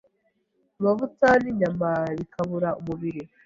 Amavuta n’inyama bikabura umubiri